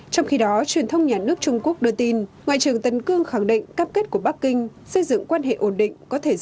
trong khi đó truyền thông nhà nước trung quốc đưa tin ngoại trưởng tân cương khẳng định